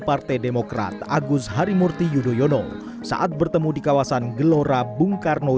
partai demokrat agus harimurti yudhoyono saat bertemu di kawasan gelora bung karno